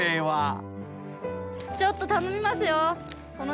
ちょっと頼みますよ。